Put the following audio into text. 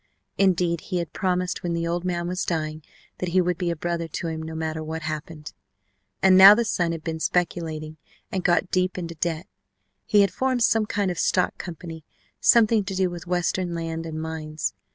Indeed, he had promised when the old man was dying that he would be a brother to him no matter what happened. And now the son had been speculating and got deep into debt. He had formed some kind of stock company, something to do with Western land and mines.